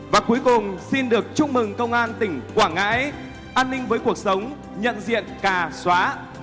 và cuối cùng xin được chúc mừng công an tỉnh quảng ngãi an ninh với cuộc sống nhận diện cà xóa